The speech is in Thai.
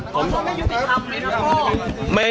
ผม